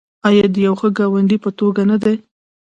آیا د یو ښه ګاونډي په توګه نه دی؟